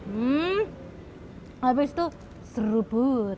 hmm habis itu seruput